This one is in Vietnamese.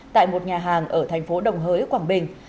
tại một nhà hàng ở thành phố đồng hới quảng bình